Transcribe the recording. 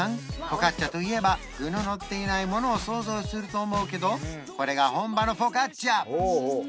フォカッチャといえば具ののっていないものを想像すると思うけどこれが本場のフォカッチャ